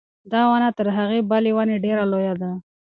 دا ونه تر هغې بلې ونې ډېره لویه ده.